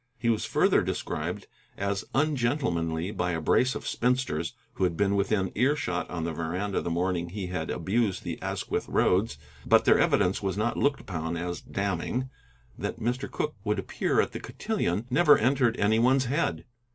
He was further described as ungentlemanly by a brace of spinsters who had been within earshot on the veranda the morning he had abused the Asquith roads, but their evidence was not looked upon as damning. That Mr. Cooke would appear at the cotillon never entered any one's head.